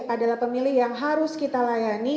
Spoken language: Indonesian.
adalah pemilih yang harus kita layani